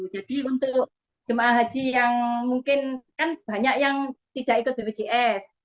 jadi untuk jemaah haji yang mungkin kan banyak yang tidak ikut bpjs